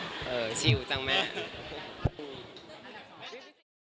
เออชิวจังแม่